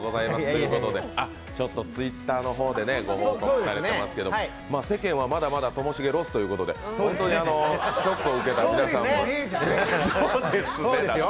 ちょっとＴｗｉｔｔｅｒの方でご報告されていますけど、世間は、まだまだともしげロスということで本当にショックを受けた皆さんが。